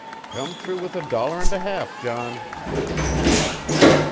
Come through with a dollar and a half, John."